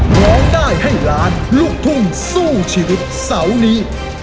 ร้องได้ให้ล้านลูกทุ่งสู้ชีวิตเสาร์นี้